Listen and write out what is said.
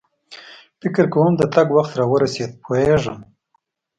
فکر کوم د تګ وخت را ورسېد، پوهېږم.